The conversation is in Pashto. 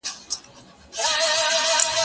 زه مخکي د ښوونځی لپاره امادګي نيولی وو!.